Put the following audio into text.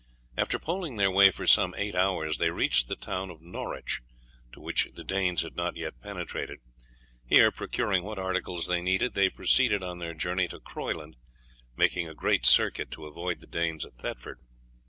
After poling their way for some eight hours they reached the town of Norwich, to which the Danes had not yet penetrated; here, procuring what articles they needed, they proceeded on their journey to Croyland, making a great circuit to avoid the Danes at Thetford.